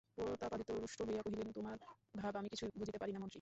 প্রতাপাদিত্য রুষ্ট হইয়া কহিলেন, তোমার ভাব আমি কিছুই বুঝিতে পারি না মন্ত্রী।